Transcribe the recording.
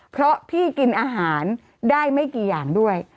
เพราะพี่กินอาหารได้ไม่กี่อย่างด้วย